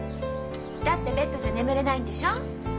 だってベッドじゃ眠れないんでしょ？